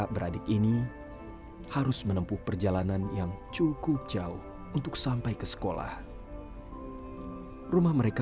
berangkat ke sekolah ditemani ayah dan ibunya